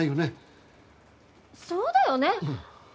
そうだよね。